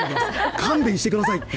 勘弁してくださいと。